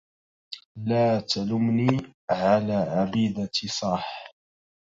لا تلمني على عبيدة صاح